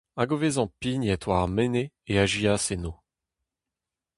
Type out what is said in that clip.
Hag o vezañ pignet war ar menez e azezas eno.